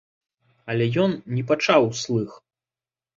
Але ён не пачаў услых.